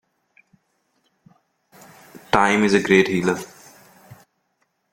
Time is a great healer.